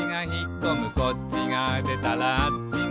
「こっちがでたらあっちが」